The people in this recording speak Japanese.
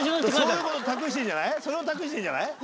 そういう事を託してんじゃない？